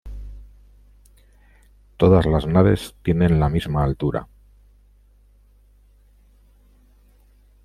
Todas las naves tienen la misma altura.